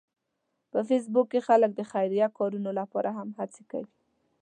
په فېسبوک کې خلک د خیریه کارونو لپاره هم هڅې کوي